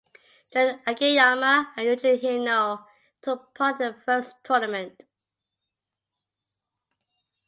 Jun Akiyama and Yuji Hino took part in their first tournament.